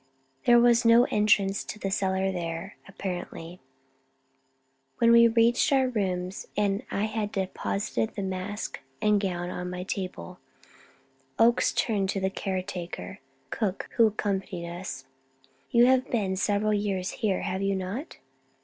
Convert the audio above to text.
There was no entrance to the cellar there, apparently. When we reached our rooms and I had deposited the mask and gown on my table, Oakes turned to the care taker, Cook, who accompanied us: "You have been several years here, have you not?"